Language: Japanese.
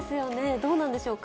どうなんでしょうか。